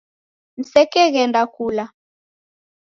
Msekeghenda kula